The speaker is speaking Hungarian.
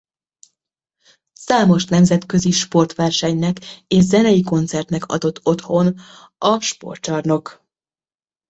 Számos nemzetközi sportversenynek és zenei koncertnek adott otthon a sportcsarnok.